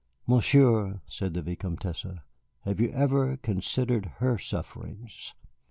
"Monsieur," said the Vicomtesse, "have you ever considered her sufferings?"